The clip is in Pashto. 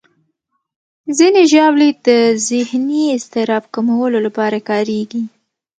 ځینې ژاولې د ذهني اضطراب کمولو لپاره کارېږي.